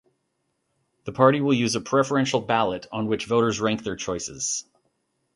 The party will use a preferential ballot on which voters rank their choices.